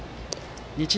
日大